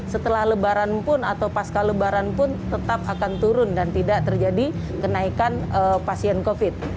setelah lebaran pun atau pasca lebaran pun tetap akan turun dan tidak terjadi kenaikan pasien covid